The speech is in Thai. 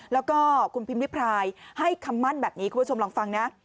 แล้วก็คุณพิมพิพรายให้คำมั่นแบบนี้คุณผู้ชมลองฟังนะ